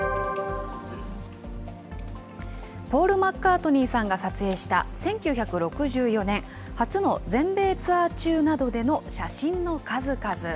ポール・マッカートニーさんが撮影した、１９６４年、初の全米ツアー中などでの写真の数々。